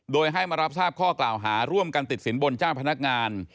โดยให้มารับทราบข้อกล่าวหาร่วมกันติดสินบนเจ้าพนักงาน